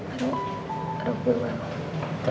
aduh aduh gue malah